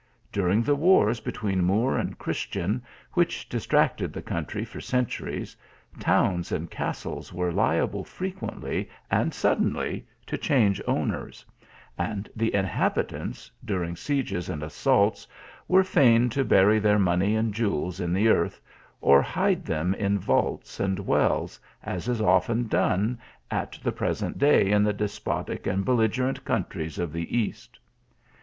During the wars between Moor 158 THE ALHAMBRA. and Christian, which distracted the country for cen turies, towns and castles were liable frequently and suddenly to change owners ; and the inhabitants, dur ing sieges and assaults, were fain to bury their money and jewels in the earth, or hide them in vaults and wells, as is often done at the present day in the des potic and belligerent countries of the East.